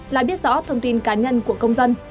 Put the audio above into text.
là biết rõ thông tin cá nhân của công dân